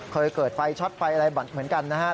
เคยเกิดไฟช็อตไฟอะไรบัตรเหมือนกันนะครับ